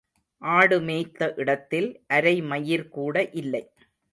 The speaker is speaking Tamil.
ஆடு மேய்த்த இடத்தில் அரை மயிர்கூட இல்லை.